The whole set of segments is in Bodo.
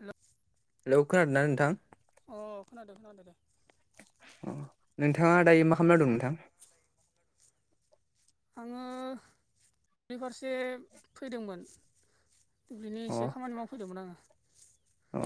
हेल [unintelligible] हेल' खोनादों ना नोंथां अ खोनादो खोनादों दे अ नोंथाङा दायो मा खालामना दं नोंथां आङो बेफारसे फैदोंमोन दुब्लिनि अ एसे खामानि मावफैदोंमोन आङो अ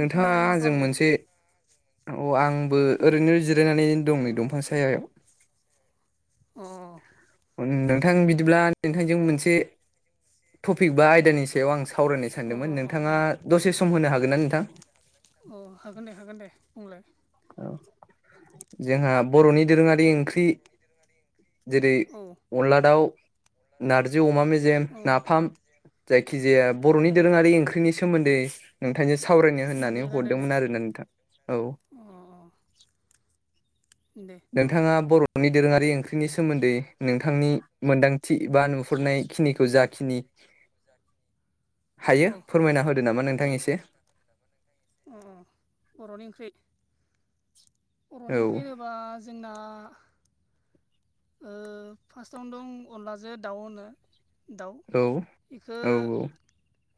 नोंथाङा मा आंजों खालामदो मोनसे अ आंबो ओरैनो जिरायनानै दं नै दंफां सायायाव अ नोंथां बिदिब्ला नोंथांजों मोनसे टपिक बा आयदानि सायाव सायाव आं सावरायनो अ सानदोंमोन अ अ नोंथाङा दसे सम होनो हागोन ना नोंथां अ हागोन दे हागोन दे बुंलाय औ जोंहा बर'नि दोरोङारि ओंख्रि जेरै औ अनला दाउ नारजि अमा मेजेम औ नाफाम जायखिजाया बर'नि अ दोरोङारि ओंख्रिनि सोमोन्दै नोंथांजों सावरायनो सोमोन्दै होननानै रायलायनो हरदोंमोन आरोना नोंथां औ अ दे नोंथाङा बर'नि दोरोङारि ओंख्रिनि सोमोन्दै नोंथांनि मोनदांथि बा नोहरनाय खिनिखौ जाखिनि औ हायो फोरमायना होदो नामा नोंथां एसे अ बर'नि ओंख्रि बर'नि ओंख्रि औ होनोबा जोंना फार्स्टआवनो दं अनलाजों दाउ होनो दाउ औ बेखौ औ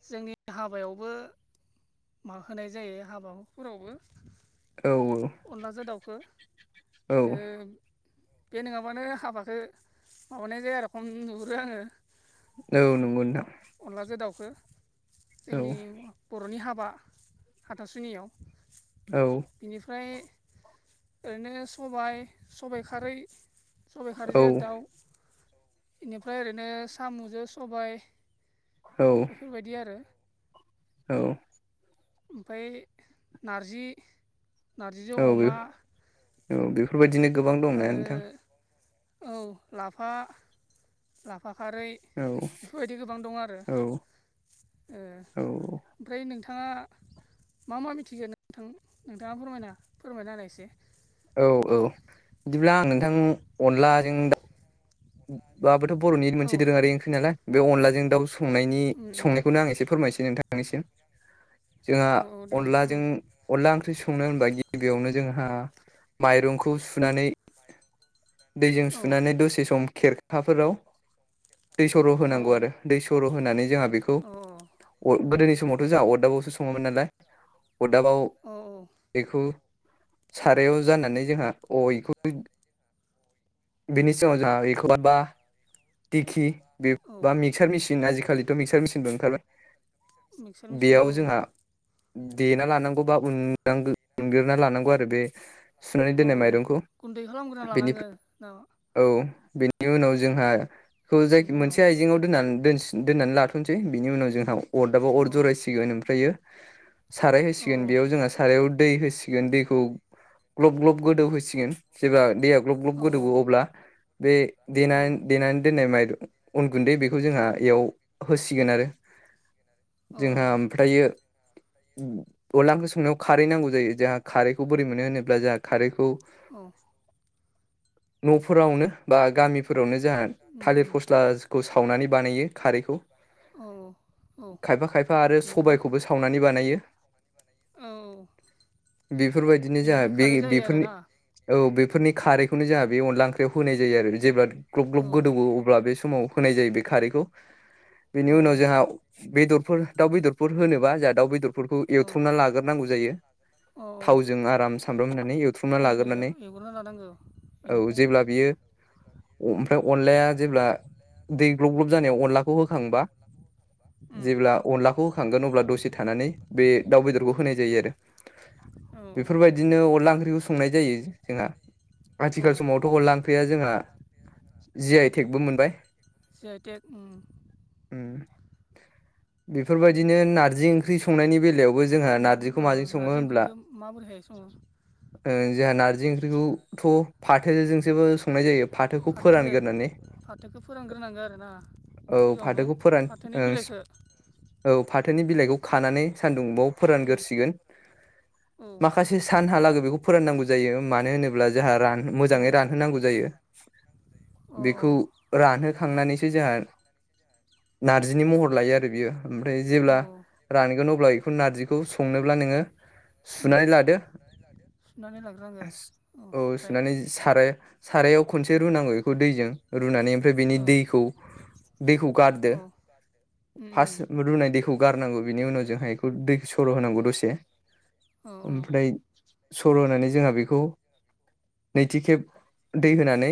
जोंनि हाबायावबो मा होनाय जायो हाबाफोरावबो औ अनलाजों दाउखौ औ बे नङाबानो हाबाखौ माबानाय जाया आरो खम नोहरो आङो औ नंगौ नोंथां अनलाजों दाउखौ औ जोंनि बर'नि हाबा बा [unintelligible] हाथासुनियाव औ बिनिफ्राय ओरैनो सबाइ सबाइ खारै सबाय औ खारैजों दाउ बेनिफ्राय ओरैनो साम'जों सबाय औ बेफोरबायदि आरो औ ओमफ्राय नार्जि नारजिजों औ अमा औ बेफोरबायदिनो गोबां दं ना आरो नोंथां औ लाफा लाफा खारै औ बेफोरबायदि गोबां दं आरो औ औ ओमफ्राय नोंथाङा मा मा मिथिगोन नोंथां नोंथाङा फोरमायना फोरमायना होनाय एसे औ औ बिदिब्ला आं नोंथां अनलाजों दा बेबोथ' बर'नि औ मोनसे दोरोङारि ओंख्रि नालाय बे अनलाजों दाउ सनायनि उम उम संनायखौनो आं एसे फोरमायनोसै नोंथांनिसिम जोंहा औ औ दे दे अनलाजों फोरमाय अनला ओंख्रि संनो होनबा गिबियावनो जोंहा माइरंखौ सुनानै दैजों औ सुनानै दसे सम खेरखाफोराव दै सर' औ होनांगौ आरो दै सर' होनानै जोंहा बेखौ अ औ गोदोनि समावथ' जोंहा अरदाबावसो सङोमोन नालाय अरदाबाव अ औ बेखौ सारायाव जाननानै जोंहा अ इखौ बेनि सिगाव जोंहा एखौबा बा टिकि बे औ बा मिक्सार मिचिन आजिखालिथ' मिक्सार मिचिनबो ओंखारबाय मिक्सार मेसिन बेयाव औ जोंहा देना लानांगौ बा उननांगो उनगोरना लानांगौ आरो बे सुनानै औ दोननाय माइरंखौ गुन्दै खालामग्रोना लानांगो बेनिफ्राय नामा औ बेनि उनाव जोंहा खौ जाय बेनि उनाव मोनसे आइजेंआव दोनना दोनस दोननानै लाग्रोनोसै बिनि उनाव जोंहा अरदाबाव अर औ जरायसिगोन ओमफ्रायो साराय औ होसिगोन बेयाव जोङा सारायाव दै होसिगोन दैखौ ग्ल'ब ग्ल'ब गोदौ होसिगोन जेब्ला दैया ग्ल'ब ग्ल'ब औ गोदौओ अब्ला बे देनानै देनानै दोननाय माइ अन गुन्दै बेखौ जोंहा इयाव होसिगोन आरो औ जोंहा ओमफ्रायो अला ओंख्रि संनायाव खारै नांगौ जायो जोहा खारैखौ बोरै मोनो होनोब्ला जोहा खारैखौ औ औ न'फोरावनो बा गामिफोर फोरावनो जाहा उम थालिर उम फस्लाखौ सावनानै बानायो खारैखौ औ औ खायफा खायफा आरो बेनिफ्राय सबायखौबो सावनानै बानायो औ बिफोरबायदिनो जोहा बेनिफ्राय बे खारै जायो बेफोरनि आरोना औ बेफोरनि खारैखौनो जोंहा बे अनला ओंख्रियाव होनाय जायो आरो जेब्ला ग्ल'ब ग्ल'ब औ गोदौवो अब्ला बे समाव होनाय जायो बे खारैखौ बेनि औ उनाव जाहा बेदरफोर दाउ बेदरफोर होनोबा जाहा दाउ बेदरफोरखौ औ एवथ्र'मना लाग्रोनांगौ जायो औ थावजों आराम सामब्राम होनानै एवथ्रुमना थावजों लाग्रोनानै एवग्रोना लानांगौ औ बेनिफ्राय जेब्ला बियो अ ओमफ्राय अनलाया जेब्ला दै ग्ल'ब ग्ल'ब जानायाव अनलाखौ होखांबा जेब्ला अनलाखौ होखांगोन अब्ला दसे थानानै बे दाउ बेदरखौ होनाय जायो आरो औ बेफोरबायदिनो अनला ओंख्रिखौ संनाय जायो जोंहा औ आथिखाल समावथ' अनला ओंख्रिया जोंहा जि आइ थेकबो मोनबाय जि आइ टेक ओम बिफोरबायदिनो नार जि ओंख्रि संनायनि बेलायावबो जोंहा नार्जिखौ माजों सङो नारजि होनब्ला ओंख्रिखौ माबोरैहाय सङो ओ जोंहा नारजि ओंख्रिखौथ' फाथोजोंसोबो संनाय जायो फाथोखौ फाथोजो फोरानग्रोनानै फाथोखौ फोरानग्रोनांगो आरोना औ सिगाङावनो फाथोखौ फोरान फाथोनि ओं बिलाइखो औ फाथोनि बिलाइखौ खानानै सान्दुंबाव औ फोरानगोरसिगोन औ माखा खासे सानहालागै बेखौ फोराननांगौ जायो मानो होनोब्ला जाहा रान मोजाङै औ रानहोनांगौ जायो अ बिखौ रानहोखांनानैसो जाहा नारजिनि महर लायो आरो बियो ओमफ्राय अ जेब्ला रानगोन अब्ला बेखौ नारजिखौ संनोब्ला नोङो उम सुनानै लादो सुनानै लाग्रोनांगौ औ अ ओमफ्राय सुनानै साराय सारायाव खनसे रुनांगौ बेखौ दैजों रुनानै ओमफ्राय बेनि औ दैखौ दैखौ गारदो औ उम फास रुनाय दैखौ गारनांगौ बिनि उनाव जोहा इखौ दैखो सर' होनांगौ दसे उम औ ओमफ्राय सर' होनानै जोंहा बेखौ नैथि खेब दै होनानै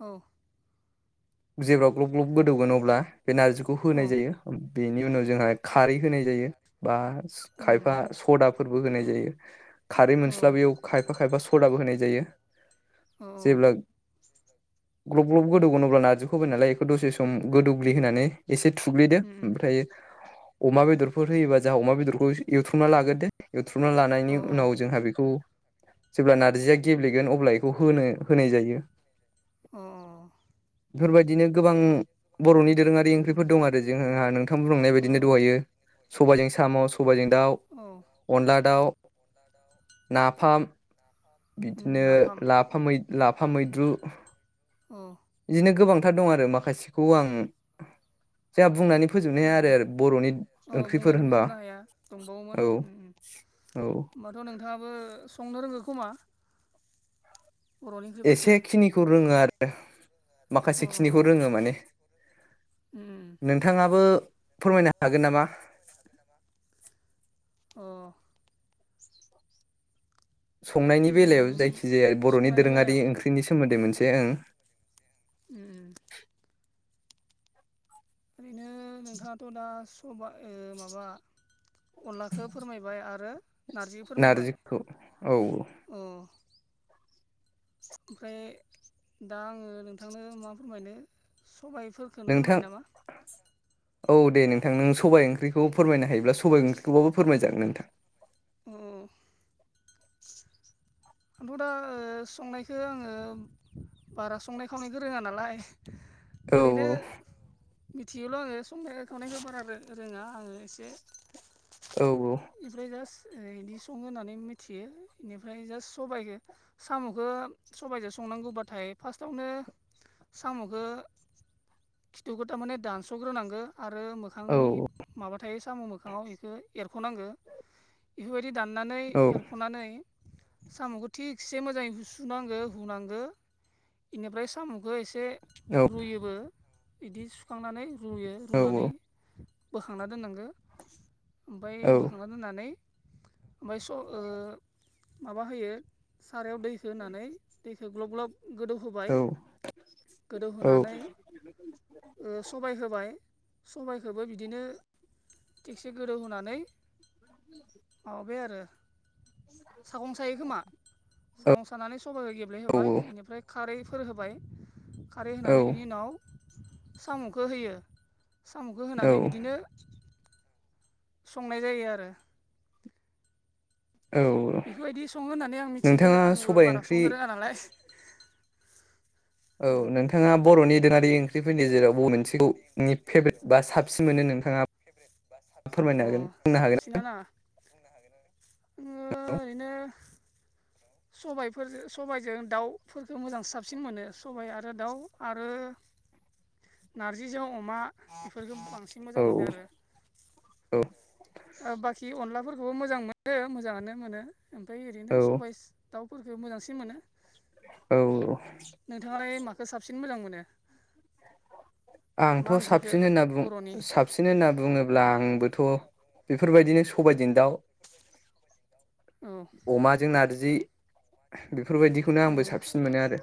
औ जेब्ला ग्लब ग्लब गोदौगोन अब्ला बे नारजिखौ अ होनाय जायो बेनि उनाव जोंहा खारै होनाय जायो बा उम खायफा सदाफोरबो होनाय जायो खारै औ मोनस्लाबोयाव खायफा खायफा सदाबो होनाय जायो औ जेब्ला ग्लब ग्लब गोदौगोनोबब्ला नारजिखौ होबाय नालाय बेखौ दसे सम गोदौग्लि होनानै एसे थुग्लिदो उम अ ओमफ्रायो अमा बेदरफोर होयोबा जोंहा अमा बेदरखौ एवथ्रुमना लाग्रोदो एवथ्रुमना लानायनि उनाव जोंहा बे खौ जेब्ला नारजिया गेब्लेगोन अब्ला बेखौ होनो होनाय जायो अ बेफोरबायदिनो गोबां बर'नि दोरोङारि ओंख्रिफोर उम दं आरो जोंहा नोंथां बुंंनाय अ बायदिनो द'हायो सबायजों साम' सबायजों दाउ औ अनला दाउ नाफाम उम बिदिनो नाफाम लाफा लाफा मैद्रु अ बिदिनो गोबांथार दं आरो माखासेखौ आं जोंहा बुंनानै फोजोबनो औ हाया आरो बर'नि औ ओंख्रिफोर बुंनानै होनबा फोजोबनो हाया औ दंबावोमोन उम उम औ होनोमबाथ' नोंथाङाबो संनो रोङो खोमा बर'नि ओंख्रिफोरखो एसे खिनिखौ रोङो आरो अ माखासे खिनिखौ रोङो माने अ नोंथाङाबो फोरमायनो हागोन नामा अ संनायनि बेलायाव उम जायखिजाया बर'नि संनायनि दोरोङारि बेलायाव ओंख्रिनि सोमोन्दै मोनसे ओं उम उम ओरैनो नोंथाङाथ' दा सब माबा अनलाखौ फोरमायबाय आरो नारजि फोरमायबाय नारजिखौ औ अ ओमफ्राय दा आङो नोंथांनो मा फोरमायनो सबायफोर नोंथां औ दे नोंथां नों सबाय ओंख्रिखौ फोरमायनो हायोब्ला सबाय ओंख्रिखौबाबो फोरमायजागोन नोंथां उम आंथ' दा संनायखौ आङो बारा संनाय खावनायखौ रोङा नालाय ओरैनो औ मिथियोल' आङो संनाय खावनायखौ बारा रोङा आङो एसे औ औ इनिफ्राय जास्ट बिदि सं होननानै मिथियो बेनिफ्राय जास्ट सबाइखौ साम'खौ सबाइजों संनांगौबाथाय फार्स्टावनो साम'खौ खिथुखौ थारमाने दानस'ग्रोनांगौ आरो मो औ खांनि माबा थायो साम' मोखाङाव बेखौ एरख'नांगौ बेफोरबायदि दाननानै औ एरख'नानै साम'खौ थिगसे मोजाङै हुसुनांगौ हुनांगौ बेनिफ्राय साम'खौ एसे औ रुयोबो बिदि सुखांनानै रुयो औ रुनानै बोखांना दोननांगौ ओमफ्राय बोखांना दोननानै ओमफ्राय स' ओ माबा होयो सारायाव दैखौ होनानै दैखौ ग्लब ग्लब गोदौ होबाय गोदौ होनानै ओ सबाय होबाय सबायखौबो बिदिनो थेकसे गोदौ होनानै माबाबाय आरो सागं सायो खोमा सागं सानानै सबाइ गेब्लेहोबाय बेनिफ्राय खारैफोर होबाय खारै होनानै बेनि उनाव साम'खौ होयो साम'खौ औ होनानै बिदिनो संनाय जायो आरो औ बेफोरबायदि सङो होननानै आं मिथिखो नोंथाङा आंबो सबाइ बारा ओंख्रि संनो रोङा नालाय औ नोंथाङा बर'नि दोरोङारि ओंख्रिफोरनि गेजेराव बबे मोनसेखौ फेभरेट बा साबसिन मोनो नोंथाङा फेभ्रेट बा सा फोरमायनो हागोन अ बुंनो हागोन साबसिन ना आङो ओरैनो सबायफोरजों सबायजों दाउफोरखौ मोजां साबसिन मोनो सबाय आरो दाउ आरो [inaudible] नारजिजों अमा बेफोरखौ बांसिन औ मोजां मोनो औ आरो बाखि अनलाफोरखौबो मोजां मोनो मोजाङानो मोनो ओमफ्राय ओरैनो औ सबाय दाउफोरफोरखौ मोजांसिन मोनो औ औ नोंथाङालाय माखौ साबसिन मोजां मोनो आंथ' मा ओंख्रिखौ साबसिन होनना बुं बर'नि साब साबसिन होनना बुङोब्ला आंबोथ' बेफोरबायदिनो सबायजों दाउ औ अमाजों नारजि बेफोरबायदिखौनो आंबो साबसिन मोनो आरो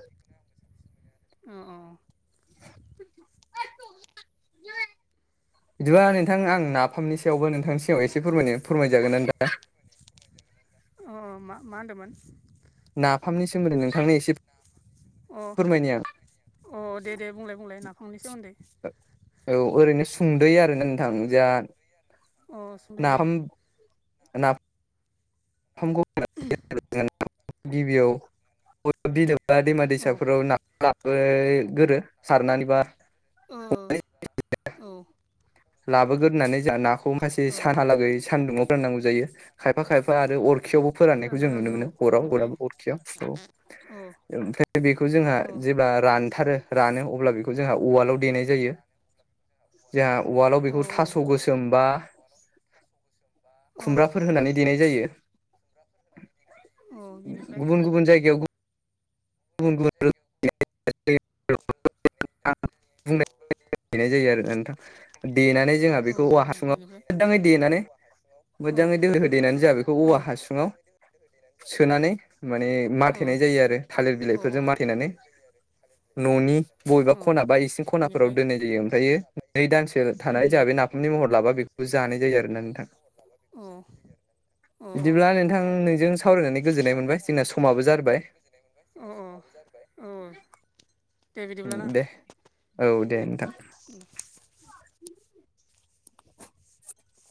अ औ बिदिबा नोंथां आं नाफामनि सायावबो नोंथांनि सायाव एसे फोरमायनो फोरमायजागोन नोंथां अ मा मा होनदोंमोन नाफामनि सोमोनदै नोंथांनो एसे अ फोरमायनि आं अ दे दे बुंलाय बुंलाय नाफामनि सोमोनदै औ ओरैनो सुंदयै आरोना नोंथां जा अ सुंद'यै दे नाफ नाफामखौ गिबियाव [unintelligible] बा दैमा औ दैसाफोराव ना लाबो गोरो सारनानैबा ओ औ लाबोगोरनानै जों नाखौ माखासे औ सानहालागै सानदुङाव दोननांगौ जायो खायफा खायफा आरो अरखियावबो फोराननायखौ जों फोरानग्रोनांगौ नुनो मोनो औ अराव ओमफ्राय अरावबो अरखियाव औ ओमफ्राय बेखौ जोंहा औ जेब्ला रान थारो रानो अब्ला बेखौ जोंहा उवालाव देनाय जायो जोंहा उवालाव औ बेखौ थास' गोसोम बा औ खुमब्राफोर होनानै देनाय जायो औ बेनिफ्राय गुबुन गुबुन जायगायाव गुबुन गुबुन रोखोमै देनाय जायो नंगौ देनाय जायो आरो नोंथां देनानै जोंहा बेखौ औवा औ औ हासुङाव बेनिफ्राय मोजाङै देनानै मोजाङै दोखो दोखो देनानै जाहा बेखौ औ औवा औ हासुङाव सोनानै माने औ माथेनाय जायो आरो थालिर औ बिलाइफोरजों माथेनानै न'नि बबेबा औ खना बा इसिं खनाफोराव बेनिफ्राय दोननाय जायो बबेबा ओमफ्रायो नै दानसो उम थानाय उम जाबाय नाफामनि महर लाबा बेखौ जानाय जायो आरोना नोंथाङा अ नोंजों बिदिब्ला नोंथां नोंजों सावरायनानै गोजोननाय मोनबाय जोंना समाबो जारबाय अ अ औ दे दे औ दे नोंथां ओम [unintelligible]